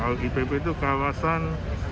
kipp itu kawasan